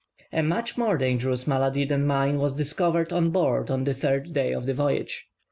A much more dangerous malady than mine was discovered on board on the third day of the voyage.